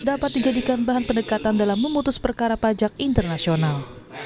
dapat dijadikan bahan pendekatan dalam memutus perkara pajak internasional